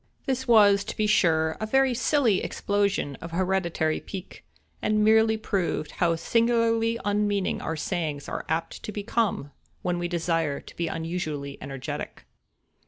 This to be sure was a very silly explosion of hereditary pique; and merely proved how singularly unmeaning our sayings are apt to become, when we desire to be unusually energetic.